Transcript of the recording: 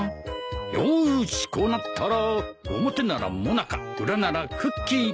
よしこうなったら表ならもなか裏ならクッキー。